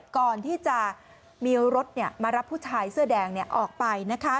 ก่อนที่จะมีรถมารับผู้ชายเสื้อแดงออกไป